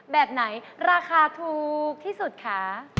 แบบไหนราคาถูกที่สุดคะ